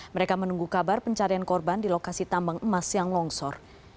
mereka menunggu kabar pencarian korban di lokasi tambang emas yang longsor